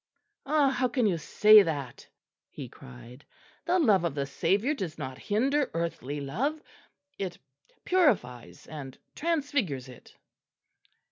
"Ah, how can you say that?" he cried; "the love of the Saviour does not hinder earthly love; it purifies and transfigures it."